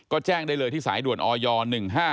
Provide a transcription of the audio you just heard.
ก็แจ้งได้เลยที่สายด่วนออย๑๕๗